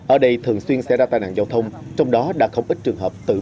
ở đây thường xuyên xảy ra tai nạn giao thông trong đó đã không ít trường hợp tự